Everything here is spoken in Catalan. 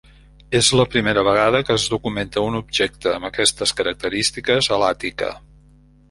És la primera vegada que es documenta un objecte amb aquestes característiques a l'Àtica.